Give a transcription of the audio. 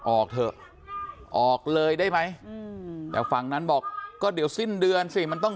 ออกเถอะออกเลยได้ไหมแต่ฝั่งนั้นบอกก็เดี๋ยวสิ้นเดือนสิมันต้อง